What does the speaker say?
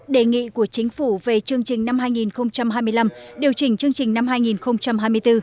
đề nghị của chính phủ về chương trình năm hai nghìn hai mươi năm điều chỉnh chương trình năm hai nghìn hai mươi bốn